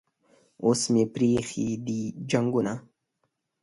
اوس مې پریښي دي جنګونه